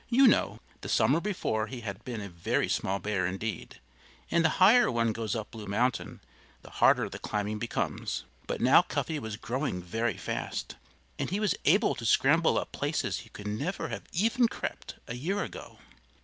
You know, the summer before he had been a very small little bear indeed, and the higher one goes up Blue Mountain the harder the climbing becomes. But now Cuffy was growing very fast; and he was able to scramble up places he could never have even crept a year ago.